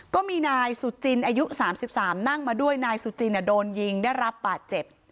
ก็มีนายสุจินอายุ๓๓นั่งมาด้วยนายสุจินโดนยิงได้รับบาดเจ็บ